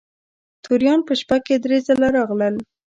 توریان په شپه کې درې ځله راغلل.